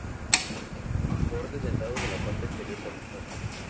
Bordes dentados en la parte exterior de las patas.